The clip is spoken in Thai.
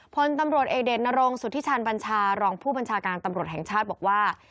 พลตำรวจเอกเดชนรงสุธิชาญบัญชารองผู้บัญชาการตำรวจแห่งชาติบอกว่า